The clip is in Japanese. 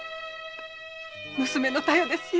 娘の「たよ」ですよ。